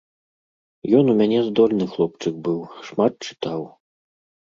Ён у мяне здольны хлопчык быў, шмат чытаў.